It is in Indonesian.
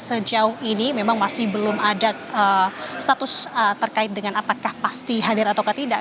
sejauh ini memang masih belum ada status terkait dengan apakah pasti hadir atau tidak